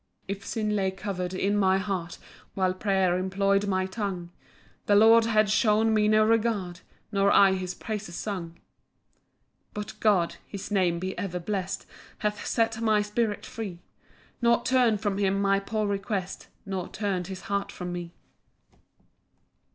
4 If sin lay cover'd in my heart, While prayer employ'd my tongue, The Lord had shewn me no regard, Nor I his praises sung. 5 But God, (his Name be ever blest) Hath set my spirit free, Nor turn'd from him my poor request, Nor turn'd his heart from me.